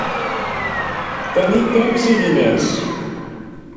Tenir temps i diners.